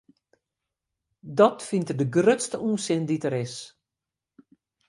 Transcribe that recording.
Dat fynt er de grutste ûnsin dy't der is.